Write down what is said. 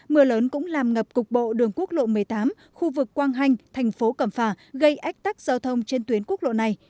mưa lớn cũng làm ngập cục bộ đường quốc lộ một mươi tám khu vực quang hanh thành phố cẩm phà gây ách tắc giao thông trên tuyến quốc lộ này